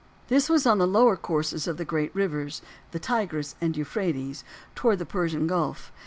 This was on the lower courses of the great rivers, the Tigris and Euphrates, towards the Persian Gulf.